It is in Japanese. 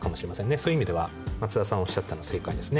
そういう意味では松田さんがおっしゃったの正解ですね。